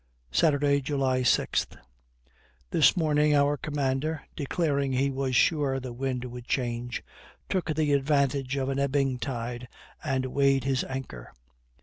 Saturday, July 6. This morning our commander, declaring he was sure the wind would change, took the advantage of an ebbing tide, and weighed his anchor.